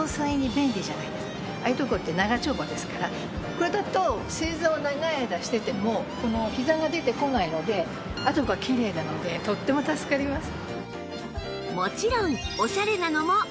これだと正座を長い間しててもひざが出てこないのであとがキレイなのでとっても助かります。